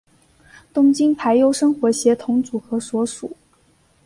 东京俳优生活协同组合所属。